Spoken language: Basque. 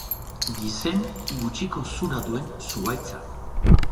Gizen gutxiko zura duen zuhaitza.